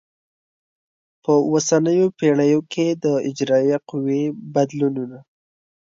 په اوسنیو پیړیو کې د اجرایه قوې بدلونونه